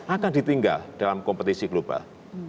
akan ditinggal dalam kompetisi global